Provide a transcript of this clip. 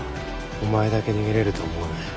お前だけ逃げれると思うなよ。